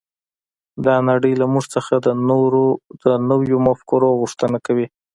دا نړۍ له موږ څخه د نويو مفکورو غوښتنه کوي.